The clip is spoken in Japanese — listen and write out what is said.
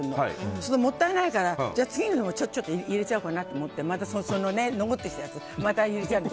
そうするともったいないから次の分も入れちゃおうかなってまた残ってきたやつを入れちゃうの。